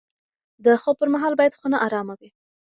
د خوب پر مهال باید خونه ارامه وي.